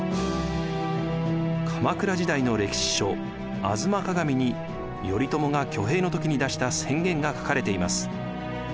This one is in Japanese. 鎌倉時代の歴史書「吾妻鏡」に頼朝が挙兵の時に出した宣言が書かれています。